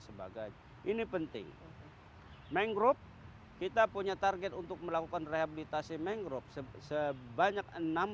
sebagai ini penting mengrob kita punya target untuk melakukan rehabilitasi mangrove sebanyak